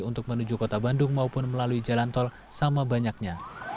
untuk menuju kota bandung maupun melalui jalan tol sama banyaknya